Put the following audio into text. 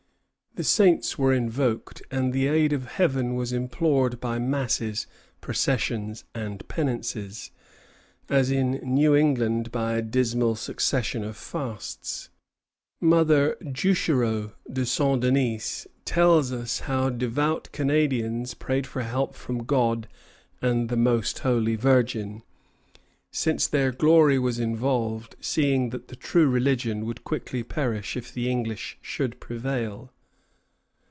The saints were invoked, and the aid of Heaven was implored by masses, processions, and penances, as in New England by a dismal succession of fasts. Mother Juchereau de Saint Denis tells us how devout Canadians prayed for help from God and the most holy Virgin; "since their glory was involved, seeing that the true religion would quickly perish if the English should prevail."